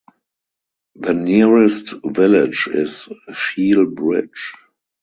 The nearest village is Shiel Bridge.